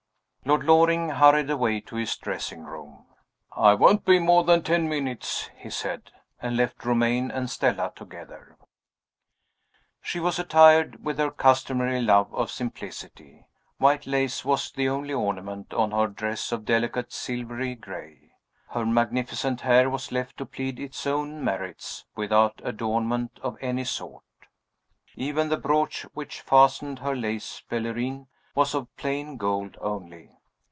LORD LORING hurried away to his dressing room. "I won't be more than ten minutes," he said and left Romayne and Stella together. She was attired with her customary love of simplicity. White lace was the only ornament on her dress of delicate silvery gray. Her magnificent hair was left to plead its own merits, without adornment of any sort. Even the brooch which fastened her lace pelerine was of plain gold only.